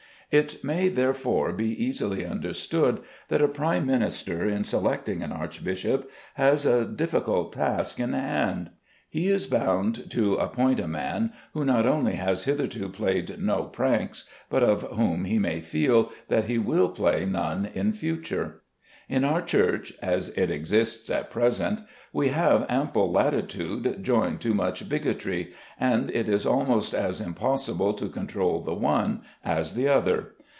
It may, therefore, be easily understood that a Prime Minister, in selecting an archbishop, has a difficult task in hand. He is bound to appoint a man who not only has hitherto played no pranks, but of whom he may feel sure that he will play none in future. In our Church, as it exists at present, we have ample latitude joined to much bigotry, and it is almost as impossible to control the one as the other.